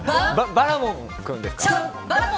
バラモン君ですか。